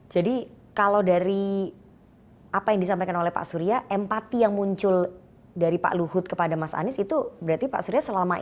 jadi kalau dari apa yang disampaikan oleh pak surya empati yang muncul dari pak luhut kepada mas anies itu berarti pak surya selama ini